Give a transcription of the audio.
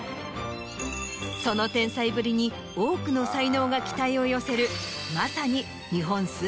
その天才ぶりに多くの才能が期待を寄せるまさに。